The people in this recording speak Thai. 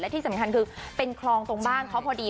ที่สำคัญคือเป็นคลองตรงบ้านเขาพอดี